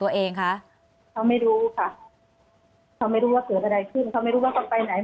อันดับที่สุดท้าย